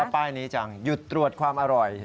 ป้ายนี้จังหยุดตรวจความอร่อย